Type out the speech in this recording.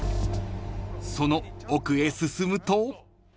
［その奥へ進むと］